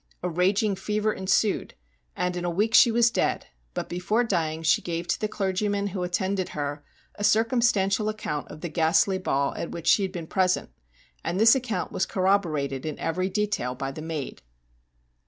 A raging fever ensued, and in a week she was dead, but, before dying, she gave to the clergyman who attended her a circum stantial account of the ghastly ball at which she had been present, and this account was corroborated in every detail by the maid.